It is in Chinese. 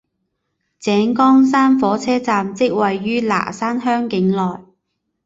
井冈山火车站即位于拿山乡境内。